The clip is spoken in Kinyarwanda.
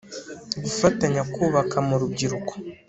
gufatanya kubaka mu rubyiruko